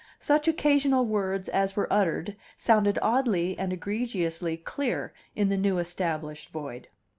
Such occasional words as were uttered sounded oddly and egregiously clear in the new established void.